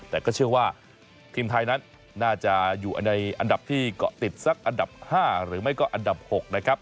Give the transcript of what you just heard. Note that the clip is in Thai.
แต่ก็เชื่อว่าทีมไทยนั้นน่าจะอยู่ในอันดับที่เกาะติดสักอันดับ๕หรือไม่ก็อันดับ๖นะครับ